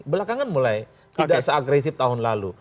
belakangan mulai tidak seagresif tahun lalu